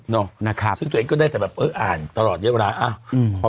นะครับซึ่งตัวเองก็ได้แต่แบบเอออ่านตลอดเยอะเวลาอ้าวอืม